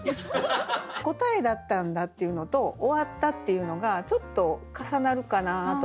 「答えだったんだ」っていうのと「終わった」っていうのがちょっと重なるかなと思って。